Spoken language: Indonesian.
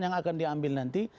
yang akan diambil nanti